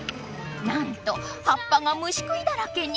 なんとはっぱがむしくいだらけに！